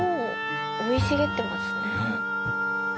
生い茂ってますね。